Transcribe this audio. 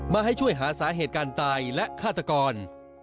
มาให้ช่วยหาสาเหตุการตายและฆาตกร